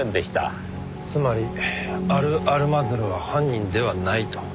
つまりアル・アルマズルは犯人ではないと？